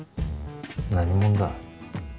何者だ？